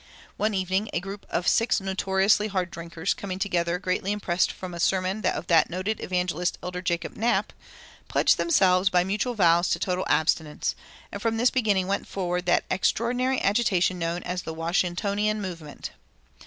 One evening a group of six notoriously hard drinkers, coming together greatly impressed from a sermon of that noted evangelist, Elder Jacob Knapp, pledged themselves by mutual vows to total abstinence; and from this beginning went forward that extraordinary agitation known as "the Washingtonian movement."